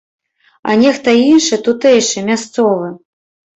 А нехта іншы, тутэйшы, мясцовы.